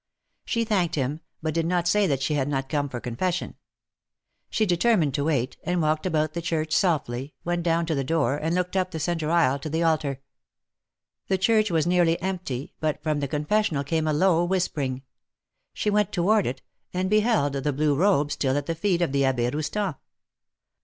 She thanked him, but did not say that she had not come for confession. She determined to wait, and walked about the church softly, went down to the door, and looked up the centre aisle to the altar. The church was nearly empty, but from the Confessional came a low whispering. She went toward it, and beheld the blue robe still at the feet of the Abbe Roustan.